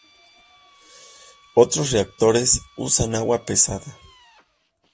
Otros reactores usan agua pesada.